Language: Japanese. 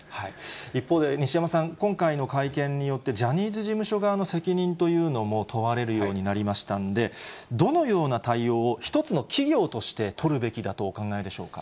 一方で、西山さん、今回の会見によって、ジャニーズ事務所側の責任というのも問われるようになりましたんで、どのような対応を、一つの企業として取るべきだとお考えでしょうか。